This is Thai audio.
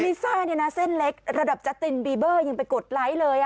ลิซ่าเนี่ยนะเส้นเล็กระดับจัตตินบีเบอร์ยังไปกดไลค์เลย